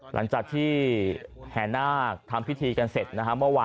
หลังจากที่แห่นหน้าทำพิธีกันเสร็จ